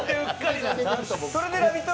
それでラヴィット！